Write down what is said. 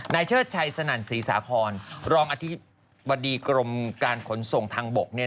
เชิดชัยสนั่นศรีสาคอนรองอธิบดีกรมการขนส่งทางบก